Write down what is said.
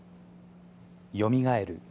よみがえる